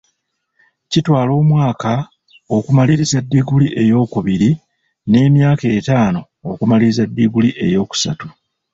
Kitwala omwaka okumaliriza diguli eyokubiri n'emyaka etaano okumaliriza diguli eyokusatu.